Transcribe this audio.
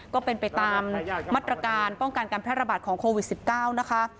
ก็เป็นไปตามมาตรการป้องกันการแพร่ระบาดของโควิด๑๙นะคะ